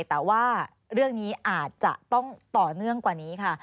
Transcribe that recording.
แต่ว่าเรื่องนี้อาจจะต้องต่อเนื่องกว่านี้ค่ะ